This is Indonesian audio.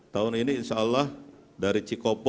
tahun ini insyaallah dari cikopo